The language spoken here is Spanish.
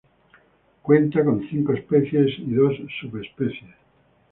Cuenta con cinco especies y dos subespecies.